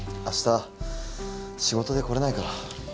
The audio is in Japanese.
あした仕事で来れないから。